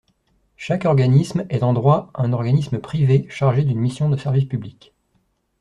Chaque organisme est en droit un organisme privé chargé d’une mission de service public.